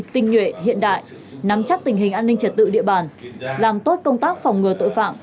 tinh nhuệ hiện đại nắm chắc tình hình an ninh trật tự địa bàn làm tốt công tác phòng ngừa tội phạm